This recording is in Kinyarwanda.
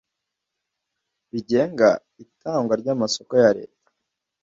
bigenga itangwa ry amasoko ya leta